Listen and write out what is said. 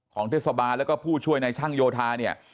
เทศบาลแล้วก็ผู้ช่วยในช่างโยธาเนี่ย